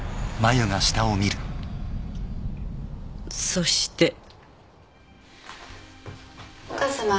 「そして」お母さま。